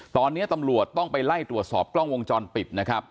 ตอนนี้ตำรวจต้องไปไล่ตรวจสอบกล้องวงจรปิดนะครับ